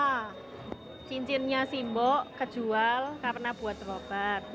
nah cincinnya simbok kejual karena buat robert